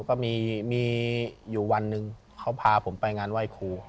ก็มีอยู่วันหนึ่งเขาพาผมไปงานไหว้ครู